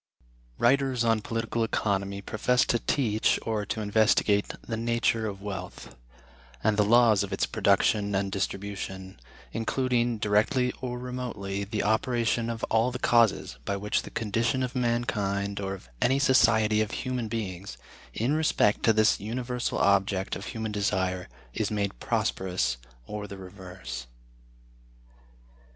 Writers on Political Economy profess to teach, or to investigate, the nature of Wealth, and the laws of its production and distribution; including, directly or remotely, the operation of all the causes by which the condition of mankind, or of any society of human beings, in respect to this universal object of human desire, is made prosperous or the reverse.